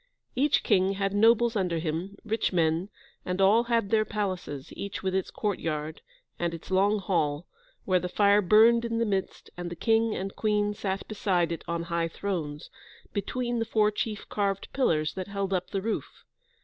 Each king had nobles under him, rich men, and all had their palaces, each with its courtyard, and its long hall, where the fire burned in the midst, and the King and Queen sat beside it on high thrones, between the four chief carved pillars that held up the roof.